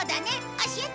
おしえて！